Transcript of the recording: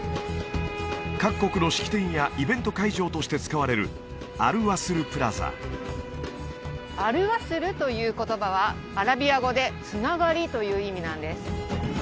各国の式典やイベント会場として使われるアル・ワスル・プラザ「アル・ワスル」という言葉はアラビア語で「繋がり」という意味なんです